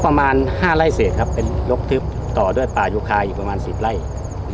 ก็ประมาณห้าไร่เศษครับเป็นลกทึบต่อด้วยปลายุคายประมาณสิบไร่